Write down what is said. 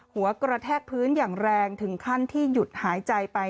หัวกระแทกพื้นอย่างแรงถึงขั้นที่หยุดหายใจไป